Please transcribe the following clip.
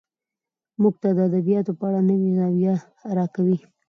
موږ ته د ادبياتو په اړه نوې زاويه راکوي